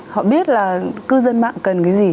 họ biết là cư dân mạng cần cái gì